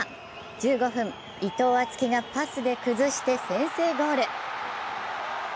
１５分、伊藤敦樹がパスで崩して先制ゴール。